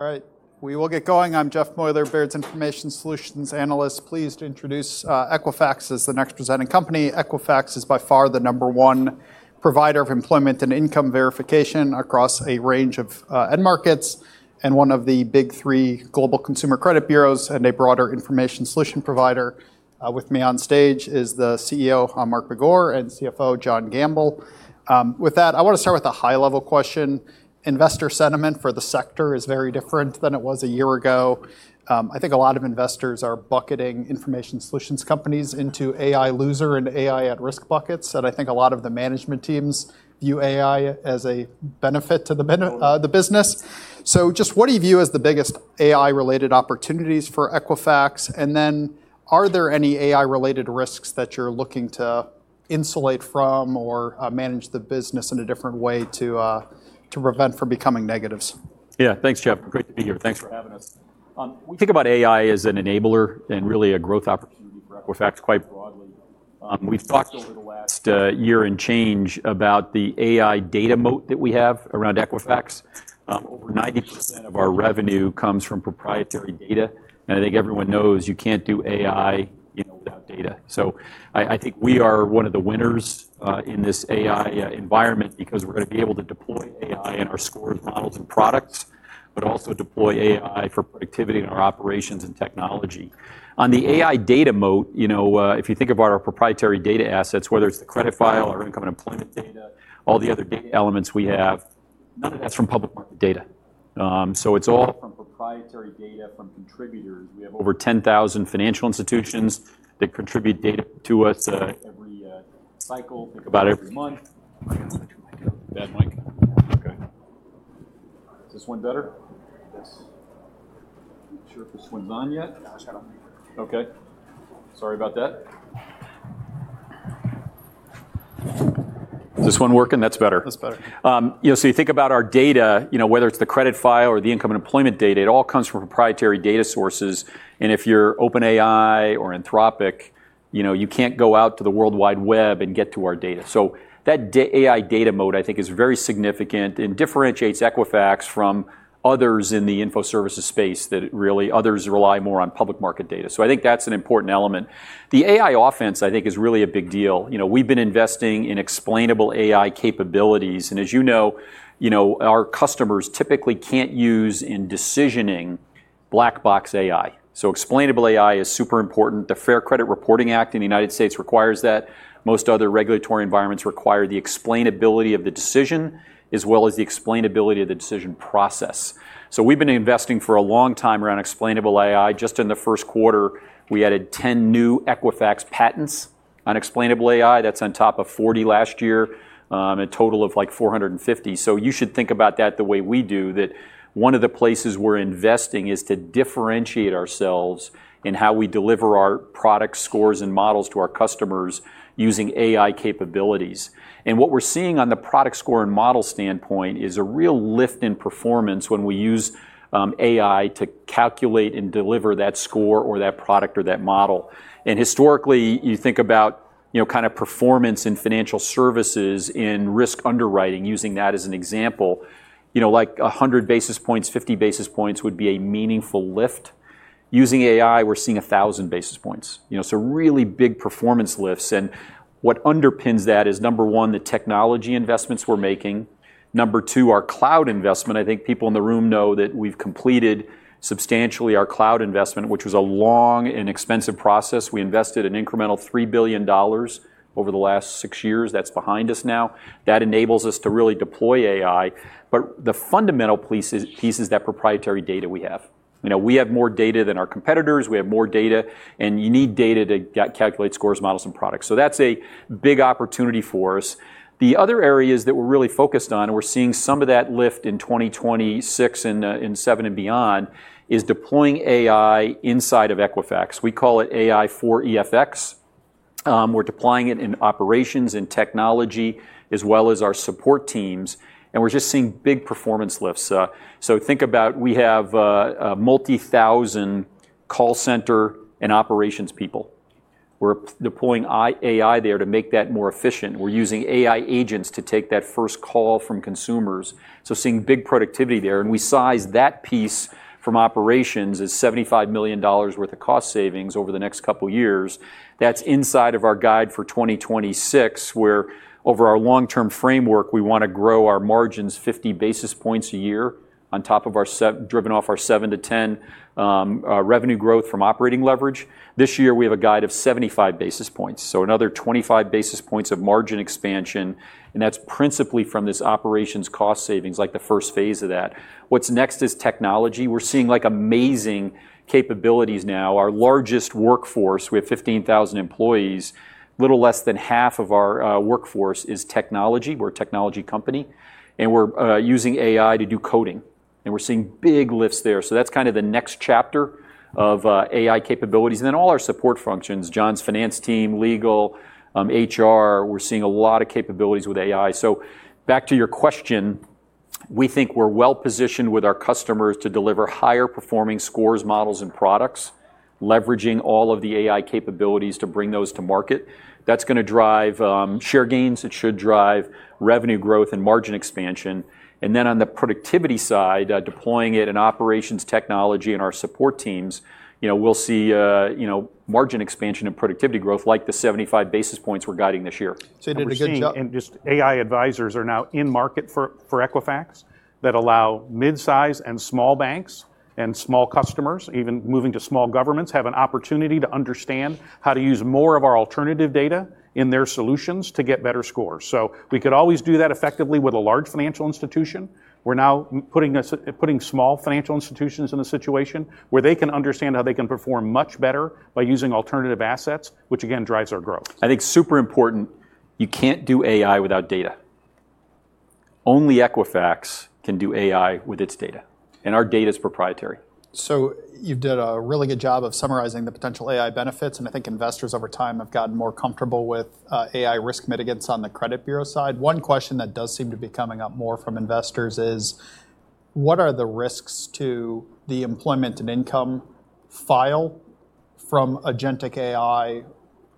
All right. We will get going. I'm Jeff Meuler, Baird's Information Solutions Analyst. Pleased to introduce Equifax as the next presenting company. Equifax is by far the number one provider of employment and income verification across a range of end markets, and one of the big three global consumer credit bureaus and a broader information solution provider. With me on stage is the Chief Executive Officer, Mark Begor, and Chief Financial Officer, John Gamble. With that, I want to start with a high-level question. Investor sentiment for the sector is very different than it was a year ago. I think a lot of investors are bucketing information solutions companies into AI loser and AI at-risk buckets. I think a lot of the management teams view AI as a benefit to the business. Just what do you view as the biggest AI-related opportunities for Equifax? Are there any AI-related risks that you're looking to insulate from or manage the business in a different way to prevent from becoming negatives? Yeah. Thanks, Jeff. Great to be here. Thanks for having us. We think about AI as an enabler and really a growth opportunity for Equifax quite broadly. We've talked over the last year and change about the AI Data Moat that we have around Equifax. Over 90% of our revenue comes from proprietary data, and I think everyone knows you can't do AI without data. I think we are one of the winners in this AI environment because we're going to be able to deploy AI in our scores, models, and products, but also deploy AI for productivity in our operations and technology. On the AI Data Moat, if you think about our proprietary data assets, whether it's the credit file or income and employment data, all the other data elements we have, none of that's from public market data. It's all from proprietary data from contributors. We have over 10,000 financial institutions that contribute data to us every cycle, about every month. I'm going to switch my mic. Bad mic? Okay. Is this one better? Yes. Not sure if this one's on yet. No, it's not on. Okay. Sorry about that. Is this one working? That's better. That's better. You think about our data, whether it's the credit file or the income and employment data, it all comes from proprietary data sources. If you're OpenAI or Anthropic, you can't go out to the World Wide Web and get to our data. That AI Data Moat, I think, is very significant and differentiates Equifax from others in the info services space that really others rely more on public market data. I think that's an important element. The AI offense, I think, is really a big deal. We've been investing in Explainable AI capabilities, and as you know, our customers typically can't use in decisioning black box AI. Explainable AI is super important. The Fair Credit Reporting Act in the U.S. requires that most other regulatory environments require the explainability of the decision, as well as the explainability of the decision process. We've been investing for a long time around Explainable AI. Just in the first quarter, we added 10 new Equifax patents on Explainable AI. That's on top of 40 last year, a total of like 450. You should think about that the way we do, that one of the places we're investing is to differentiate ourselves in how we deliver our product scores and models to our customers using AI capabilities. What we're seeing on the product score and model standpoint is a real lift in performance when we use AI to calculate and deliver that score or that product or that model. Historically, you think about performance in financial services, in risk underwriting, using that as an example, like 100 basis points, 50 basis points would be a meaningful lift. Using AI, we're seeing 1,000 basis points. Really big performance lifts. What underpins that is, number one, the technology investments we're making. Number two, our cloud investment. I think people in the room know that we've completed substantially our cloud investment, which was a long and expensive process. We invested an incremental $3 billion over the last six years. That's behind us now. That enables us to really deploy AI. The fundamental piece is that proprietary data we have. We have more data than our competitors. We have more data, and you need data to calculate scores, models, and products. That's a big opportunity for us. The other areas that we're really focused on, and we're seeing some of that lift in 2026 and 2027 and beyond, is deploying AI inside of Equifax. We call it AI for EFX. We're deploying it in operations and technology, as well as our support teams, we're just seeing big performance lifts. Think about we have a multi-thousand call center and operations people. We're deploying AI there to make that more efficient. We're using AI agents to take that first call from consumers. Seeing big productivity there, we size that piece from operations as $75 million worth of cost savings over the next couple of years. That's inside of our guide for 2026, where over our long-term framework, we want to grow our margins 50 basis points a year driven off our 7-10 revenue growth from operating leverage. This year, we have a guide of 75 basis points. Another 25 basis points of margin expansion, that's principally from this operations cost savings, like the first phase of that. What's next is technology. We're seeing amazing capabilities now. Our largest workforce, we have 15,000 employees. Little less than half of our workforce is technology. We're a technology company. We're using AI to do coding, and we're seeing big lifts there. That's the next chapter of AI capabilities. All our support functions, John's finance team, legal, HR, we're seeing a lot of capabilities with AI. Back to your question, we think we're well-positioned with our customers to deliver higher performing scores, models, and products. Leveraging all of the AI capabilities to bring those to market. That's going to drive share gains. It should drive revenue growth and margin expansion. On the productivity side, deploying it in operations technology and our support teams, we'll see margin expansion and productivity growth like the 75 basis points we're guiding this year. You did a good job. Just AI advisors are now in market for Equifax that allow mid-size and small banks and small customers, even moving to small governments, have an opportunity to understand how to use more of our alternative data in their solutions to get better scores. We could always do that effectively with a large financial institution. We're now putting small financial institutions in a situation where they can understand how they can perform much better by using alternative assets, which again, drives our growth. I think super important, you can't do AI without data. Only Equifax can do AI with its data, and our data's proprietary. You did a really good job of summarizing the potential AI benefits, and I think investors over time have gotten more comfortable with AI risk mitigants on the credit bureau side. One question that does seem to be coming up more from investors is, what are the risks to the employment and income file from agentic AI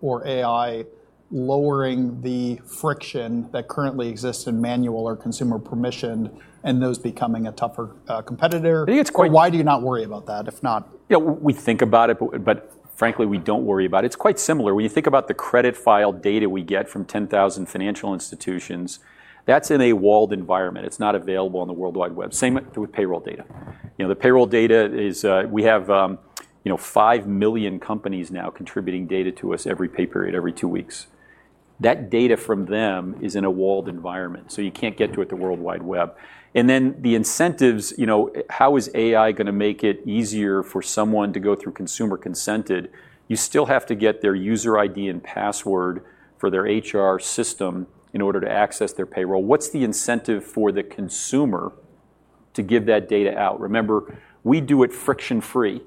or AI lowering the friction that currently exists in manual or consumer permissioned, and those becoming a tougher competitor? I think it's. Why do you not worry about that, if not? We think about it, but frankly, we don't worry about it. It's quite similar. When you think about the credit file data we get from 10,000 financial institutions, that's in a walled environment. It's not available on the World Wide Web. Same with payroll data. The payroll data is, we have five million companies now contributing data to us every pay period, every two weeks. That data from them is in a walled environment, so you can't get to it through World Wide Web. The incentives, how is AI going to make it easier for someone to go through consumer-consented? You still have to get their user ID and password for their HR system in order to access their payroll. What's the incentive for the consumer to give that data out? Remember, we do it friction-free.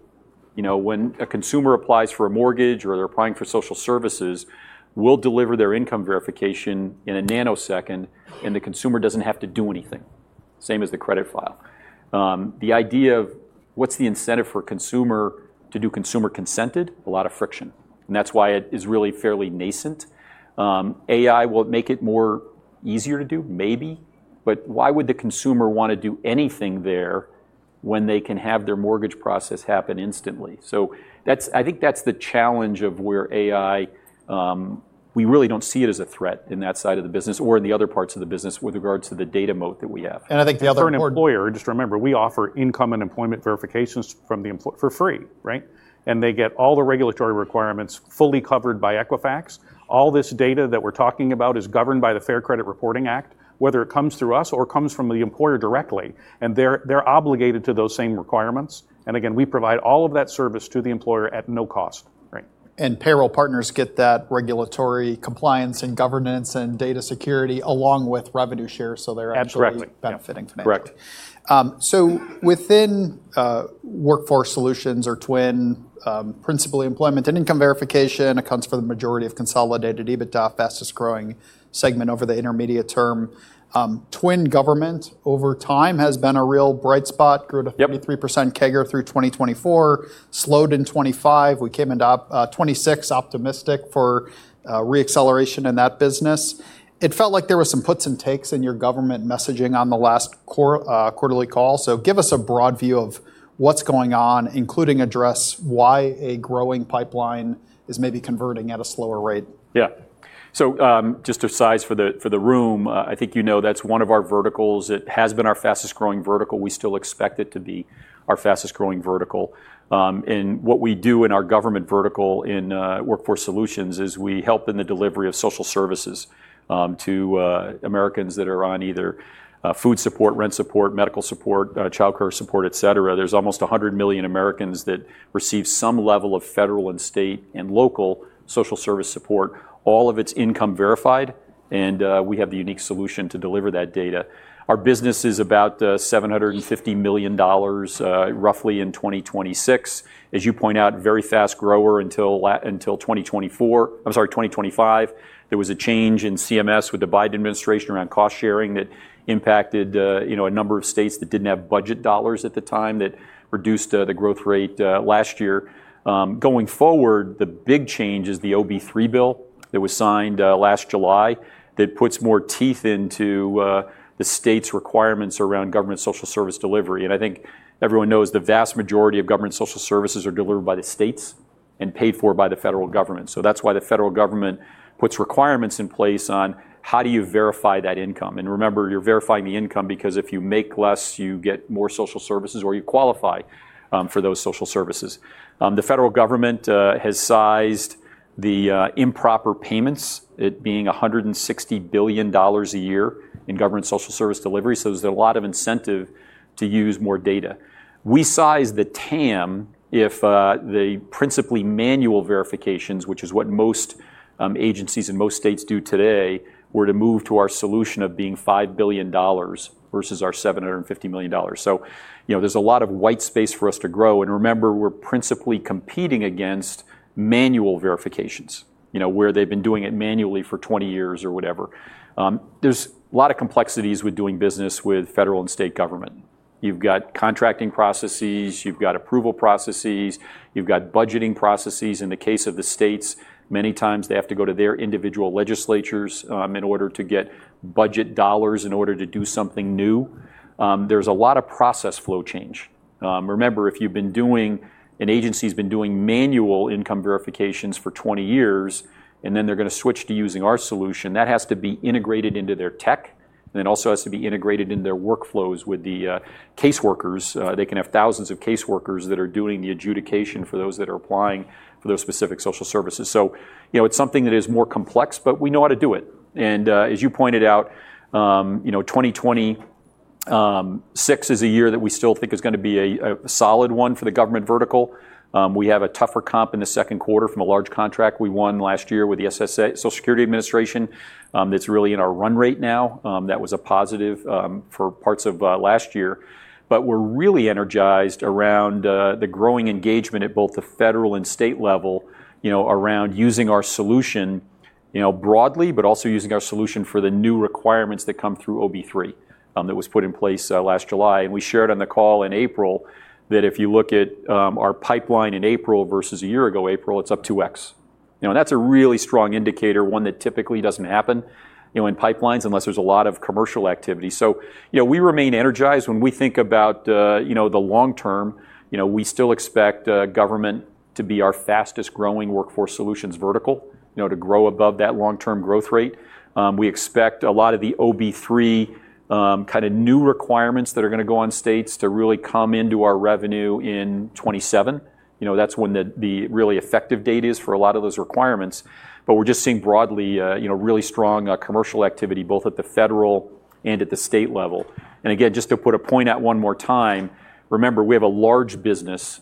When a consumer applies for a mortgage or they're applying for social services, we'll deliver their income verification in a nanosecond, and the consumer doesn't have to do anything. Same as the credit file. The idea of what's the incentive for a consumer to do consumer consented, a lot of friction, and that's why it is really fairly nascent. AI will make it more easier to do, maybe, but why would the consumer want to do anything there when they can have their mortgage process happen instantly? I think that's the challenge of where. We really don't see it as a threat in that side of the business or in the other parts of the business with regards to the Data Moat that we have. And I think the other important. For an employer, just remember, we offer income and employment verifications for free, right? They get all the regulatory requirements fully covered by Equifax. All this data that we're talking about is governed by the Fair Credit Reporting Act, whether it comes through us or comes from the employer directly, and they're obligated to those same requirements. Again, we provide all of that service to the employer at no cost. Right. Payroll partners get that regulatory compliance and governance and data security along with revenue share. Absolutely. Actually benefiting from that. Correct. Within Workforce Solutions or TWN, principally employment and income verification accounts for the majority of consolidated EBITDA, fastest growing segment over the intermediate term. TWN Government over time has been a real bright spot. Yep. 33% CAGR through 2024, slowed in 2025. We came into 2026 optimistic for re-acceleration in that business. It felt like there was some puts and takes in your government messaging on the last quarterly call. Give us a broad view of what's going on, including address why a growing pipeline is maybe converting at a slower rate. Just to size for the room, I think you know that's one of our verticals. It has been our fastest-growing vertical. We still expect it to be our fastest-growing vertical. And what we do in our government vertical in Workforce Solutions is we help in the delivery of social services to Americans that are on either food support, rent support, medical support, childcare support, et cetera. There's almost 100 million Americans that receive some level of federal and state and local social service support. All of it's income verified, and we have the unique solution to deliver that data. Our business is about $750 million roughly in 2026. As you point out, very fast grower until 2025. There was a change in CMS with the Biden administration around cost sharing that impacted a number of states that didn't have budget dollars at the time, that reduced the growth rate last year. Going forward, the big change is the OB3 bill that was signed last July that puts more teeth into the state's requirements around government social service delivery. I think everyone knows the vast majority of government social services are delivered by the states and paid for by the federal government. That's why the federal government puts requirements in place on how do you verify that income. Remember, you're verifying the income because if you make less, you get more social services or you qualify for those social services. The federal government has sized the improper payments, it being $160 billion a year in government social service delivery. There's a lot of incentive to use more data. We size the TAM if the principally manual verifications, which is what most agencies in most states do today, were to move to our solution of being $5 billion versus our $750 million. There's a lot of white space for us to grow. Remember, we're principally competing against manual verifications, where they've been doing it manually for 20 years or whatever. There's a lot of complexities with doing business with federal and state government. You've got contracting processes. You've got approval processes. You've got budgeting processes. In the case of the states, many times they have to go to their individual legislatures in order to get budget dollars in order to do something new. There's a lot of process flow change. Remember, if an agency's been doing manual income verifications for 20 years and then they're going to switch to using our solution, that has to be integrated into their tech. It also has to be integrated into their workflows with the caseworkers. They can have thousands of caseworkers that are doing the adjudication for those that are applying for those specific social services. It's something that is more complex, but we know how to do it. As you pointed out, 2026 is a year that we still think is going to be a solid one for the government vertical. We have a tougher comp in the second quarter from a large contract we won last year with the SSA, Social Security Administration, that's really in our run rate now. That was a positive for parts of last year. We are really energized around the growing engagement at both the federal and state level, around using our solution broadly, but also using our solution for the new requirements that come through OB3 that was put in place last July. We shared on the call in April that if you look at our pipeline in April versus a year ago April, it is up 2x. That is a really strong indicator, one that typically does not happen in pipelines unless there is a lot of commercial activity. We remain energized when we think about the long term. We still expect government to be our fastest-growing Workforce Solutions vertical, to grow above that long-term growth rate. We expect a lot of the OB3 new requirements that are going to go on states to really come into our revenue in 2027. That's when the really effective date is for a lot of those requirements. We're just seeing broadly, really strong commercial activity, both at the federal and at the state level. Again, just to put a point out one more time, remember, we have a large business,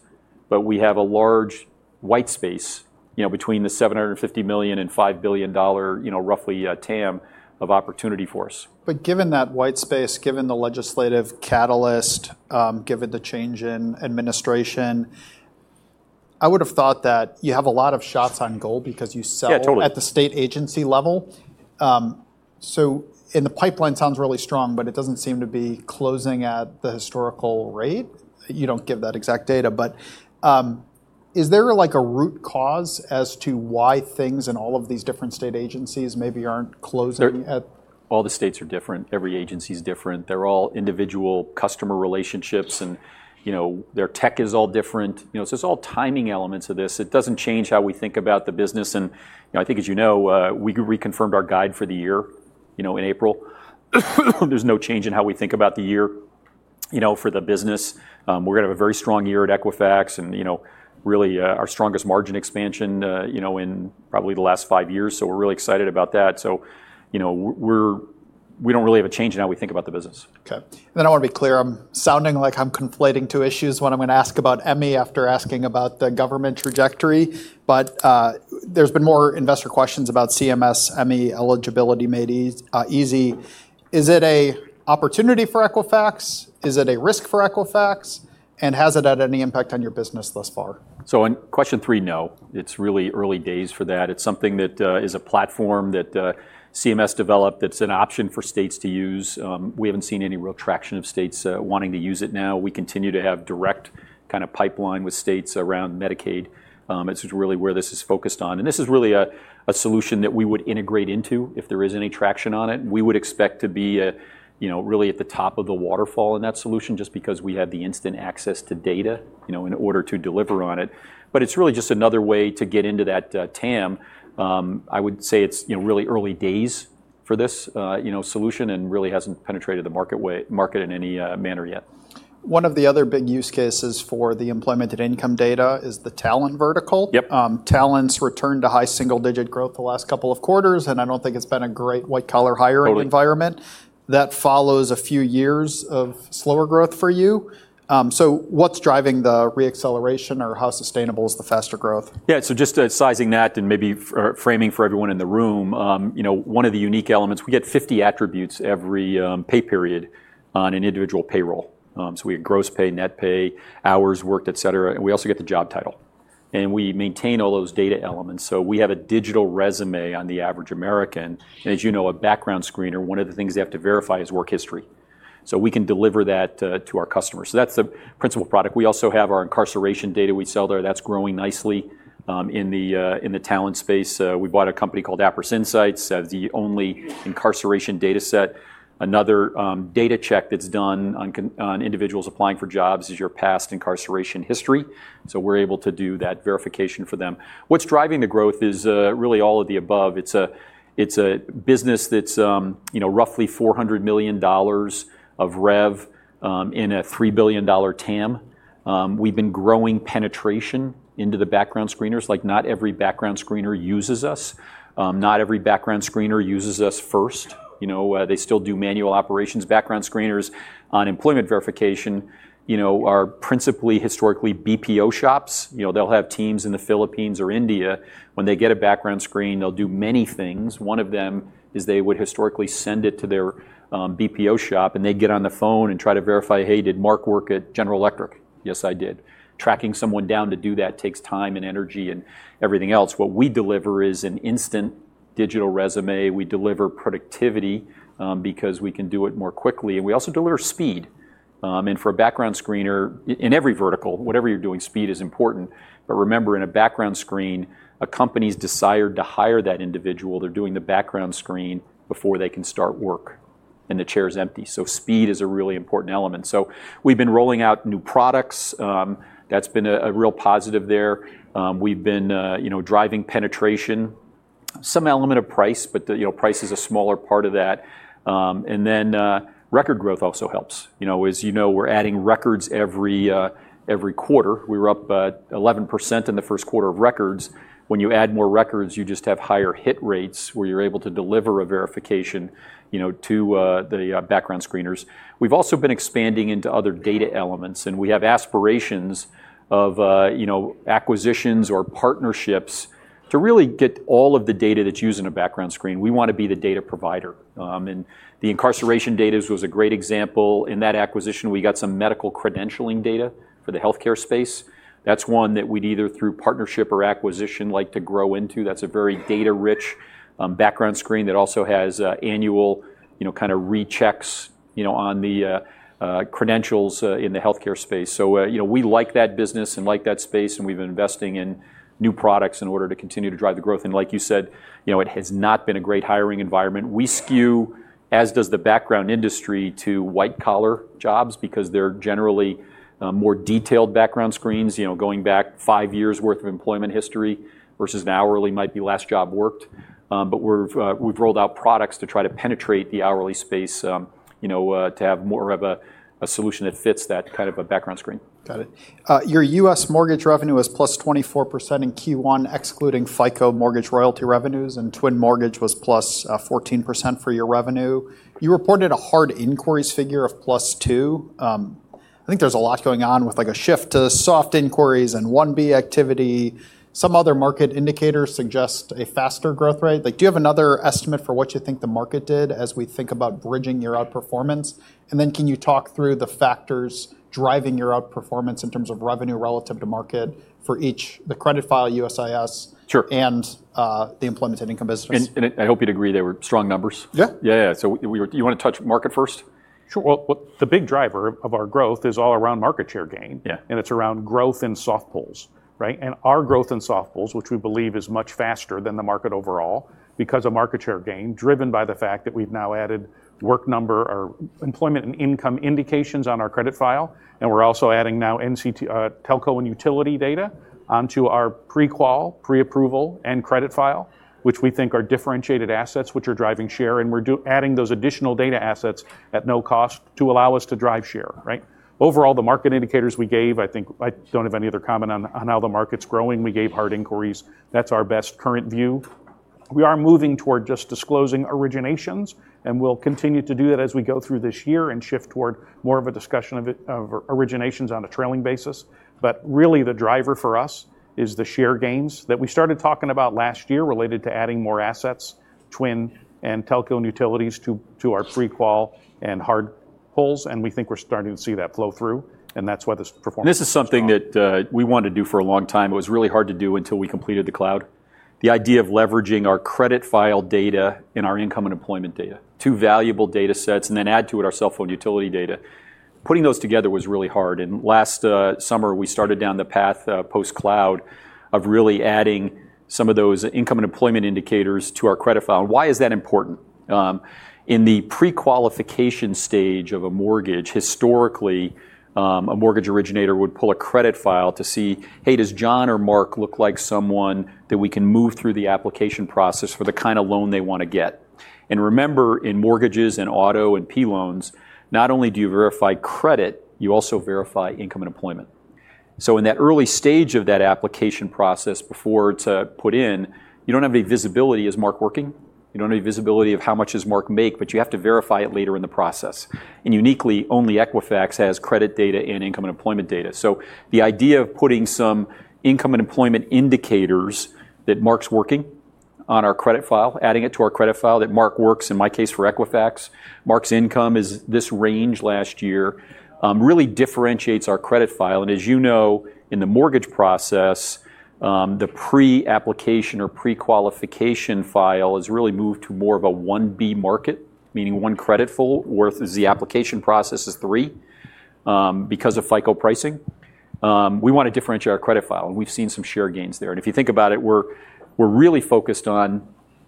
but we have a large white space, between the $750 million and $5 billion roughly TAM of opportunity for us. Given that white space, given the legislative catalyst, given the change in administration, I would've thought that you have a lot of shots on goal because you sell. Yeah, totally. At the state agency level. The pipeline sounds really strong, but it doesn't seem to be closing at the historical rate. You don't give that exact data, but is there a root cause as to why things in all of these different state agencies maybe aren't closing. All the states are different. Every agency's different. They're all individual customer relationships and their tech is all different. It's all timing elements of this. It doesn't change how we think about the business, and I think as you know, we reconfirmed our guide for the year in April. There's no change in how we think about the year for the business. We're going to have a very strong year at Equifax and really our strongest margin expansion in probably the last five years. We're really excited about that. We don't really have a change in how we think about the business. Okay. I want to be clear, I'm sounding like I'm conflating two issues, one I'm going to ask about eligibility after asking about the government trajectory. There's been more investor questions about CMS eligibility, Eligibility Made Easy. Is it an opportunity for Equifax? Is it a risk for Equifax? And has it had any impact on your business thus far? On question three, no. It's really early days for that. It's something that is a platform that CMS developed that's an option for states to use. We haven't seen any real traction of states wanting to use it now. We continue to have direct pipeline with states around Medicaid. It's just really where this is focused on. This is really a solution that we would integrate into if there is any traction on it. We would expect to be really at the top of the waterfall in that solution, just because we have the instant access to data in order to deliver on it. It's really just another way to get into that TAM. I would say it's really early days for this solution and really hasn't penetrated the market in any manner yet. One of the other big use cases for the employment and income data is the talent vertical. Yep. Talent's returned to high single-digit growth the last couple of quarters, and I don't think it's been a great white-collar hiring environment. Totally. That follows a few years of slower growth for you. What's driving the re-acceleration, or how sustainable is the faster growth? Yeah, just sizing that and maybe framing for everyone in the room. One of the unique elements, we get 50 attributes every pay period on an individual payroll. We have gross pay, net pay, hours worked, et cetera, and we also get the job title. We maintain all those data elements, we have a digital resume on the average American. As you know, a background screener, one of the things they have to verify is work history. We can deliver that to our customers. That's the principal product. We also have our incarceration data we sell there. That's growing nicely in the talent space. We bought a company called Appriss Insights, the only incarceration dataset. Another data check that's done on individuals applying for jobs is your past incarceration history, we're able to do that verification for them. What's driving the growth is really all of the above. It's a business that's roughly $400 million of rev in a $3 billion TAM. We've been growing penetration into the background screeners. Like, not every background screener uses us. Not every background screener uses us first. They still do manual operations. Background screeners on employment verification are principally historically BPO shops. They'll have teams in the Philippines or India. When they get a background screen, they'll do many things. One of them is they would historically send it to their BPO shop, and they'd get on the phone and try to verify, "Hey, did Mark work at General Electric?" "Yes, I did." Tracking someone down to do that takes time and energy and everything else. What we deliver is an instant digital resume. We deliver productivity because we can do it more quickly, and we also deliver speed. For a background screener, in every vertical, whatever you're doing, speed is important. Remember, in a background screen, a company's desire to hire that individual, they're doing the background screen before they can start work, and the chair is empty. Speed is a really important element. We've been rolling out new products. That's been a real positive there. We've been driving penetration. Some element of price, but price is a smaller part of that. Record growth also helps. As you know, we're adding records every quarter. We were up 11% in the first quarter of records. When you add more records, you just have higher hit rates where you're able to deliver a verification to the background screeners. We've also been expanding into other data elements, and we have aspirations of acquisitions or partnerships to really get all of the data that's used in a background screen. We want to be the data provider. The incarceration data was a great example. In that acquisition, we got some medical credentialing data for the healthcare space. That's one that we'd either, through partnership or acquisition, like to grow into. That's a very data-rich background screen that also has annual rechecks on the credentials in the healthcare space. We like that business and like that space, and we've been investing in new products in order to continue to drive the growth. Like you said, it has not been a great hiring environment. We skew, as does the background industry, to white-collar jobs because they're generally more detailed background screens, going back five years worth of employment history versus an hourly might be last job worked. We've rolled out products to try to penetrate the hourly space to have more of a solution that fits that kind of a background screen. Got it. Your U.S. mortgage revenue was +24% in Q1, excluding FICO mortgage royalty revenues, and TWN Mortgage was +14% for your revenue. You reported a hard inquiries figure of +2. I think there's a lot going on with a shift to soft inquiries and 1B activity. Some other market indicators suggest a faster growth rate. Do you have another estimate for what you think the market did as we think about bridging your outperformance? Can you talk through the factors driving your outperformance in terms of revenue relative to market for each, the credit file, USIS. Sure. The employment and income business? I hope you'd agree they were strong numbers. Yeah. Yeah. Do you want to touch market first? Sure. Well, the big driver of our growth is all around market share gain. Yeah. It's around growth in soft pulls, right? Our growth in soft pulls, which we believe is much faster than the market overall because of market share gain, driven by the fact that we've now added The Work Number or employment and income indications on our credit file, and we're also adding now telco and utility data onto our pre-qual, pre-approval, and credit file, which we think are differentiated assets which are driving share. We're adding those additional data assets at no cost to allow us to drive share, right? Overall, the market indicators we gave, I think I don't have any other comment on how the market's growing. We gave hard inquiries. That's our best current view. We are moving toward just disclosing originations, and we'll continue to do that as we go through this year and shift toward more of a discussion of originations on a trailing basis. Really, the driver for us is the share gains that we started talking about last year related to adding more assets, TWN and telco and utilities to our pre-qual and hard pulls, and we think we're starting to see that flow through, and that's why this performance is strong. This is something that we wanted to do for a long time. It was really hard to do until we completed the cloud. The idea of leveraging our credit file data and our income and employment data, two valuable data sets, and then add to it our cell phone utility data. Putting those together was really hard. Last summer, we started down the path post-cloud of really adding some of those income and employment indicators to our credit file. Why is that important? In the pre-qualification stage of a mortgage, historically, a mortgage originator would pull a credit file to see, hey, does John or Mark look like someone that we can move through the application process for the kind of loan they want to get? Remember, in mortgages and auto and P-loans, not only do you verify credit, you also verify income and employment. In that early stage of that application process before it's put in, you don't have any visibility. Is Mark working? You don't have any visibility of how much does Mark make, but you have to verify it later in the process. Uniquely, only Equifax has credit data and income and employment data. The idea of putting some income and employment indicators that Mark's working on our credit file, adding it to our credit file that Mark works, in my case, for Equifax, Mark's income is this range last year, really differentiates our credit file. As you know, in the mortgage process, the pre-application or pre-qualification file has really moved to more of a 1B market, meaning one credit pull, whereas the application process is three because of FICO pricing. We want to differentiate our credit file, and we've seen some share gains there. If you think about it, we're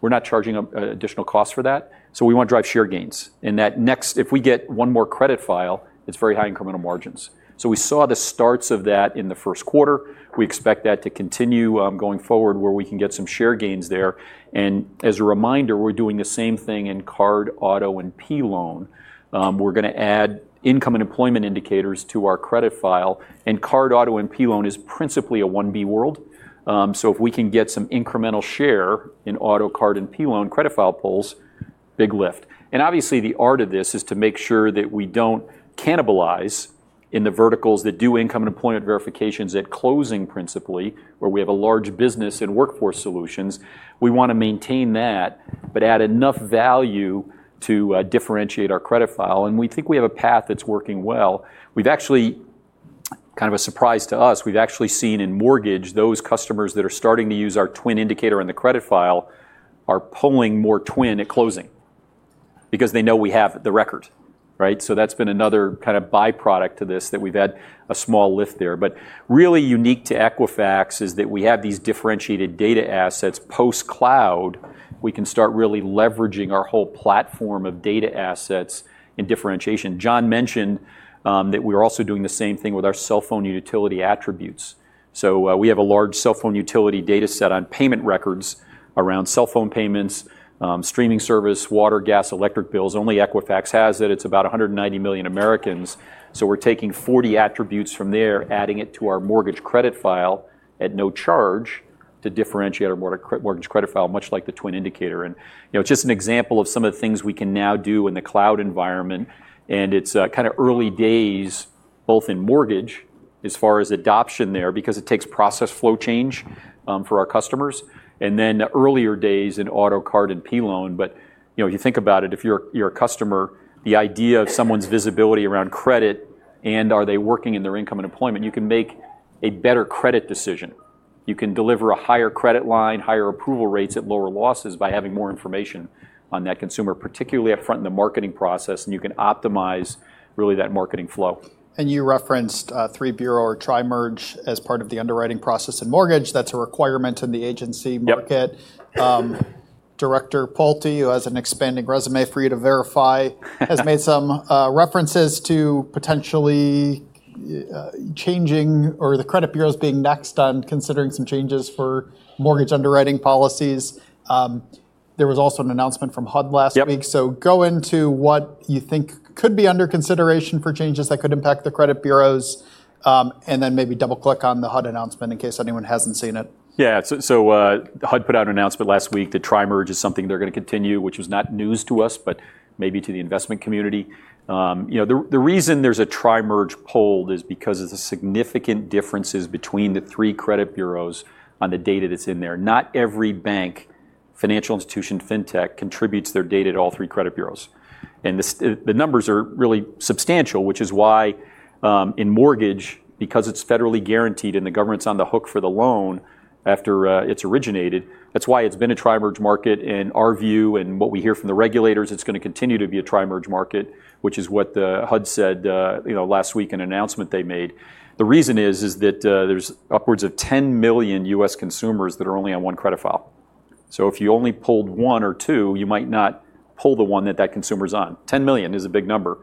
not charging additional costs for that, so we want to drive share gains. If we get one more credit file, it's very high incremental margins. We saw the starts of that in the first quarter. We expect that to continue going forward, where we can get some share gains there. As a reminder, we're doing the same thing in card, auto, and P-loan. We're going to add income and employment indicators to our credit file, and card, auto, and P-loan is principally a 1B world. If we can get some incremental share in auto, card, and P-loan credit file pulls, big lift. Obviously, the art of this is to make sure that we don't cannibalize in the verticals that do income and employment verifications at closing, principally, where we have a large business in Workforce Solutions. We want to maintain that but add enough value to differentiate our credit file, and we think we have a path that's working well. Kind of a surprise to us, we've actually seen in mortgage, those customers that are starting to use our TWN Indicator in the credit file are pulling more TWN at closing because they know we have the record, right? That's been another byproduct to this that we've had a small lift there. Really unique to Equifax is that we have these differentiated data assets post-Cloud. We can start really leveraging our whole platform of data assets in differentiation. John mentioned that we're also doing the same thing with our cell phone and utility attributes. We have a large cell phone utility data set on payment records around cell phone payments, streaming service, water, gas, electric bills. Only Equifax has it. It's about 190 million Americans. We're taking 40 attributes from there, adding it to our mortgage credit file at no charge to differentiate our mortgage credit file, much like the TWN Indicator. It's just an example of some of the things we can now do in the cloud environment. It's kind of early days, both in mortgage as far as adoption there, because it takes process flow change for our customers, and then earlier days in Auto, Card, and P-loan. If you think about it, if you're a customer, the idea of someone's visibility around credit and are they working in their income and employment, you can make a better credit decision. You can deliver a higher credit line, higher approval rates at lower losses by having more information on that consumer, particularly up front in the marketing process. You can optimize really that marketing flow. You referenced three bureau or tri-merge as part of the underwriting process in mortgage. That's a requirement in the agency market. Yep. Director Pulte, who has an expanding resume for you to verify, has made some references to potentially changing, or the credit bureaus being next on considering some changes for mortgage underwriting policies. There was also an announcement from HUD last week. Yep. Go into what you think could be under consideration for changes that could impact the credit bureaus, and then maybe double-click on the HUD announcement in case anyone hasn't seen it. Yeah. HUD put out an announcement last week that tri-merge is something they're going to continue, which was not news to us, but maybe to the investment community. The reason there's a tri-merge hold is because of the significant differences between the three credit bureaus on the data that's in there. Not every bank, financial institution, fintech contributes their data to all three credit bureaus. The numbers are really substantial, which is why in mortgage, because it's federally guaranteed and the government's on the hook for the loan after it's originated, that's why it's been a tri-merge market. In our view and what we hear from the regulators, it's going to continue to be a tri-merge market, which is what HUD said last week in an announcement they made. The reason is that there's upwards of 10 million U.S. consumers that are only on one credit file. If you only pulled one or two, you might not pull the one that that consumer's on. 10 million is a big number.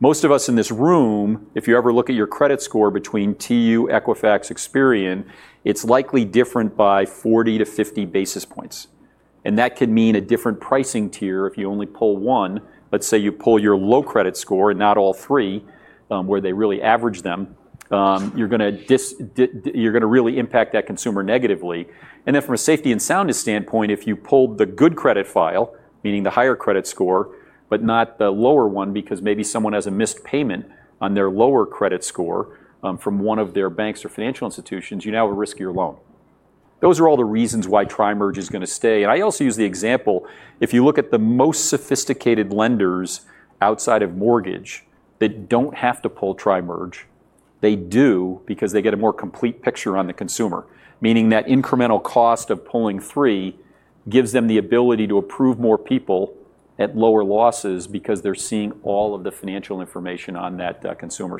Most of us in this room, if you ever look at your credit score between TU, Equifax, Experian, it's likely different by 40-50 basis points, and that could mean a different pricing tier if you only pull one. Let's say you pull your low credit score and not all three, where they really average them, you're going to really impact that consumer negatively. From a safety and soundness standpoint, if you pulled the good credit file, meaning the higher credit score, but not the lower one because maybe someone has a missed payment on their lower credit score from one of their banks or financial institutions, you now have a riskier loan. Those are all the reasons why tri-merge is going to stay. I also use the example, if you look at the most sophisticated lenders outside of mortgage that don't have to pull tri-merge, they do because they get a more complete picture on the consumer, meaning that incremental cost of pulling three gives them the ability to approve more people at lower losses because they're seeing all of the financial information on that consumer.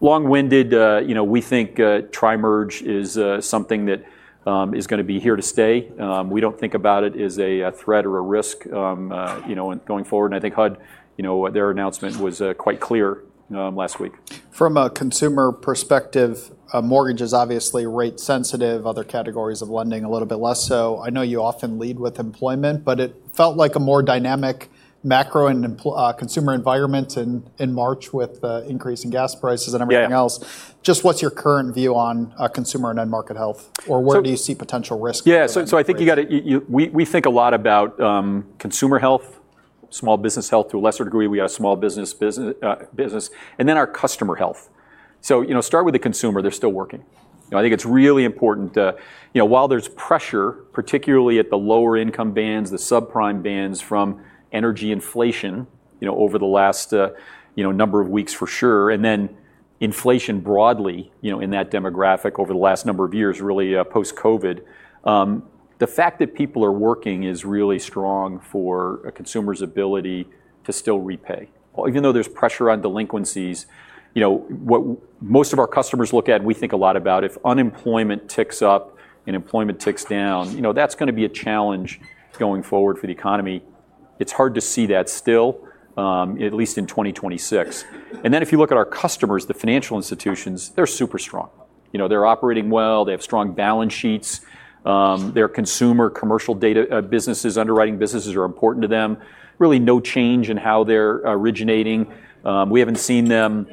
Long-winded, we think tri-merge is something that is going to be here to stay. We don't think about it as a threat or a risk going forward, and I think HUD, their announcement was quite clear last week. From a consumer perspective, a mortgage is obviously rate sensitive, other categories of lending a little bit less so. I know you often lead with employment, but it felt like a more dynamic macro and consumer environment in March with the increase in gas prices and everything else. Yeah. Just what's your current view on consumer and end market health? Where do you see potential risk going forward? Yeah. I think we think a lot about consumer health, small business health to a lesser degree, we have small business, and then our customer health. Start with the consumer. They're still working. I think it's really important, while there's pressure, particularly at the lower income bands, the subprime bands from energy inflation over the last number of weeks for sure, and then inflation broadly in that demographic over the last number of years, really post-COVID. The fact that people are working is really strong for a consumer's ability to still repay, even though there's pressure on delinquencies. What most of our customers look at, and we think a lot about, if unemployment ticks up and employment ticks down, that's going to be a challenge going forward for the economy. It's hard to see that still, at least in 2026. If you look at our customers, the financial institutions, they're super strong. They're operating well. They have strong balance sheets. Their consumer commercial data businesses, underwriting businesses are important to them. Really no change in how they're originating. We haven't seen them,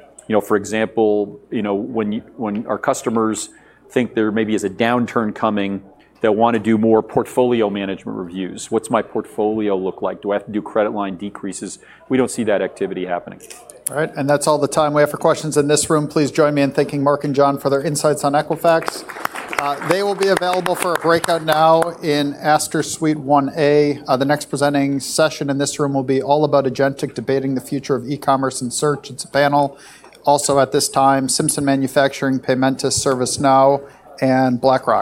for example, when our customers think there maybe is a downturn coming, they'll want to do more portfolio management reviews. What's my portfolio look like? Do I have to do credit line decreases? We don't see that activity happening. All right. That's all the time we have for questions in this room. Please join me in thanking Mark and John for their insights on Equifax. They will be available for a breakout now in Astor Suite 1A. The next presenting session in this room will be all about agentic debating the future of e-commerce and search. It's a panel. Also at this time, Simpson Manufacturing, Paymentus, ServiceNow, and BlackRock